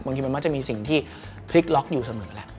บางทีมันมักจะมีสิ่งที่พลิกล็อกอยู่เสมอแหละ